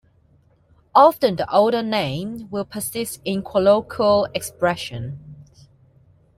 Often the older name will persist in colloquial expressions.